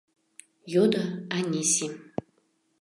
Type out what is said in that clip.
— йодо Анисим.